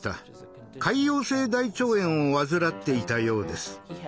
潰瘍性大腸炎を患っていたようです。